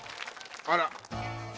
あら。